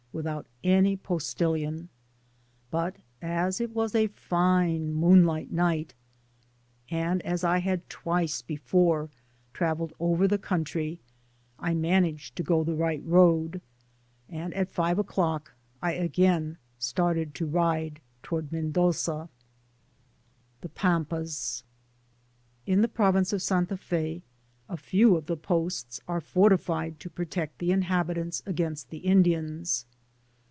out any postilion ; but, as it was a fine moonlight nighty and as I had twice before travelled over the country, I managed to go in the right direction, and at five o'clock I again started to ride towards Mendoza« Digitized byGoogk 101 THE PAMPAS. ♦In the province of Santa Fe, a few of the posts are fortified to protect the inhabitants against the Indians.